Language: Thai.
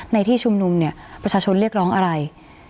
ในที่ชุมนุมเนี่ยประชาชนเรียกร้องอะไร